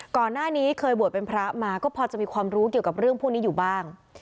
ก่อนหน้านี้เคยบวชเป็นพระมาก็พอจะมีความรู้เกี่ยวกับเรื่องพวกนี้อยู่บ้าง